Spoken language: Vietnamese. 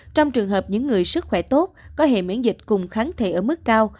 trong trường hợp những người sức khỏe tốt có hệ miễn dịch cùng kháng thể ở mức cao